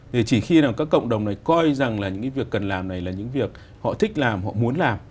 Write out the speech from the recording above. để chỉ khi các cộng đồng này coi rằng những việc cần làm này là những việc họ thích làm họ muốn làm